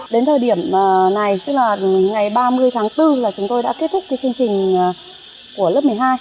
đến thời điểm này tức là ngày ba mươi tháng bốn là chúng tôi đã kết thúc cái chương trình của lớp một mươi hai